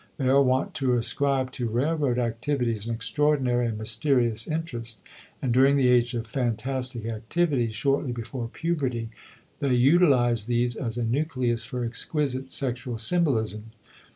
They are wont to ascribe to railroad activities an extraordinary and mysterious interest, and during the age of phantastic activity (shortly before puberty) they utilize these as a nucleus for exquisite sexual symbolisms.